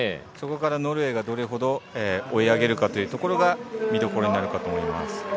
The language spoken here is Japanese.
そこからノルウェーがどれほど追い上げるかが見どころになるかと思います。